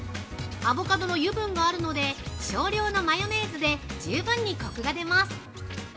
アボカドの油分があるので少量のマヨネーズで充分にコクが出ます！